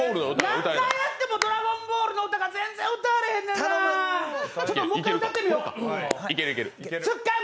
何回やっても「ドラゴンボール」の歌が全然歌われへんなー。